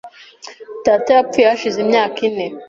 Data yapfuye hashize imyaka ine .